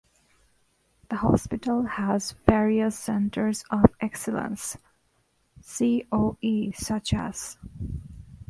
The hospital has various Centers of Excellence (CoE) such as